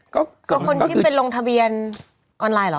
ก็คนที่ไปลงทะเบียนออนไลน์เหรอ